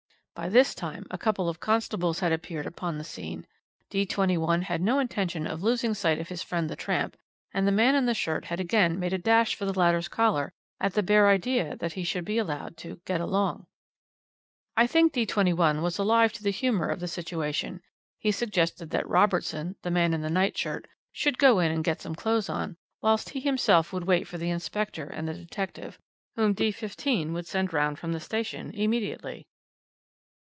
"By this time a couple of constables had appeared upon the scene. D 21 had no intention of losing sight of his friend the tramp, and the man in the shirt had again made a dash for the latter's collar at the bare idea that he should be allowed to 'get along.' "I think D 21 was alive to the humour of the situation. He suggested that Robertson (the man in the night shirt) should go in and get some clothes on, whilst he himself would wait for the inspector and the detective, whom D 15 would send round from the station immediately.